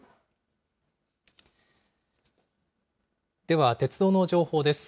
では鉄道の情報です。